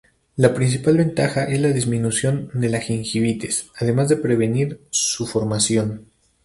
La principal ventaja es la disminución de la gingivitis, además de prevenir su formación.